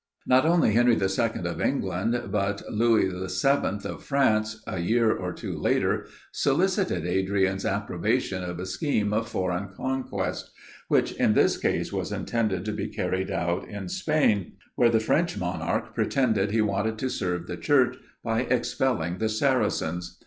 Not only Henry II. of England, but Louis VII. of France, a year or two later, solicited Adrian's approbation of a scheme of foreign conquest, which, in this case was intended to be carried out in Spain, where the French monarch pretended he wanted to serve the Church, by expelling the Saracens.